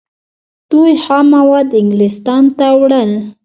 دوی خام مواد انګلستان ته وړل.